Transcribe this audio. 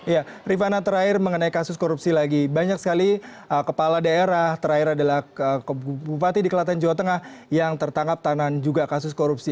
ya rifana terakhir mengenai kasus korupsi lagi banyak sekali kepala daerah terakhir adalah bupati di kelaten jawa tengah yang tertangkap tahanan juga kasus korupsi